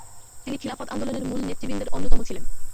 তিনি খিলাফত আন্দোলনের মূল নেতৃবৃন্দের অন্যতম ছিলেন।